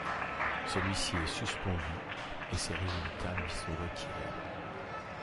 Celui-ci est suspendu, et ses résultats lui sont retirés.